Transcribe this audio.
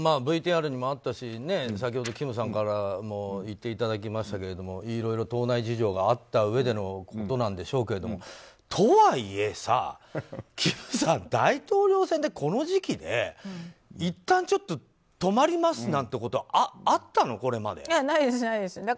ＶＴＲにもあったし先ほど金さんからも言っていただきましたけどいろいろ党内事情があったうえでのことなんでしょうけどとはいえ金さん、大統領選でこの時期で、いったんちょっと止まりますなんてことないです。